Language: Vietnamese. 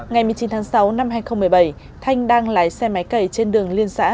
ngày một mươi chín tháng sáu năm hai nghìn một mươi bảy thanh đang lái xe máy cẩy trên đường liên xã